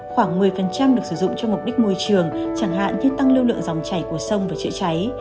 khoảng một mươi được sử dụng cho mục đích môi trường chẳng hạn như tăng lưu lượng dòng chảy của sông và chữa cháy